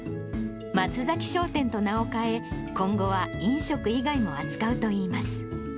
松崎商店と名を変え、今後は飲食以外も扱うといいます。